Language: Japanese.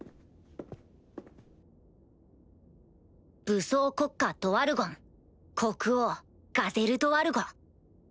武装国家ドワルゴン国王ガゼル・ドワルゴ